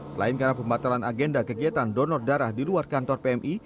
selain karena pembatalan agenda kegiatan donor darah di luar kantor pmi